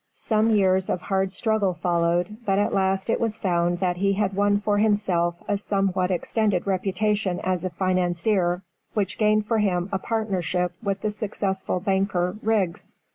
Some years of hard struggle followed, but at last it was found that he had won for himself a somewhat extended reputation as a financier, which gained for him a partnership with the successful banker, Riggs.